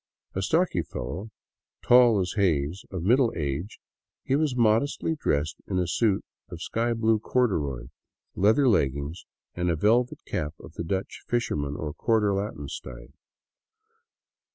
A stocky fellow, tall as Hays, of middle age, he was modestly dressed in a suit of sky blue corduroy, leather leggings, and a velvet cap of the Dutch fisher man or Quartier Latin style.